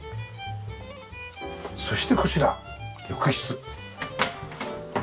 そしてこちら浴室。